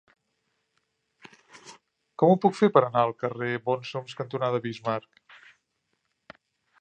Com ho puc fer per anar al carrer Bonsoms cantonada Bismarck?